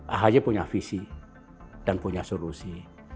ahy punya visi dan punya solusi